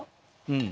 うん。